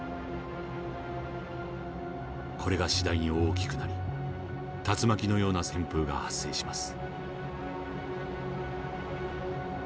これが次第に大きくなり竜巻のような旋風が発生します。